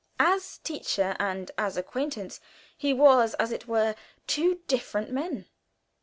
As teacher and as acquaintance he was, as it were, two different men.